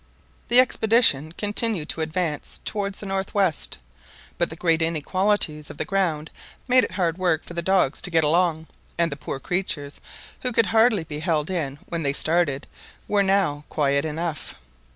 The expedition continued to advance towards the north west; but the great inequalities of the ground made it hard work for the dogs to get along, and the poor creatures, who could hardly be held in when they started, were now quiet enough.